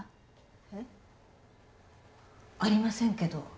えっありませんけど。